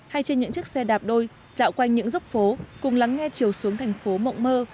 hay trên những chiếc xe đạp đôi dạo quanh những dốc phố cùng lắng nghe chiều xuống thành phố mộng mơ